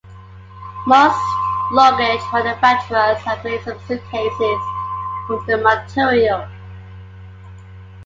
Most luggage manufacturers have made some suitcases from the material.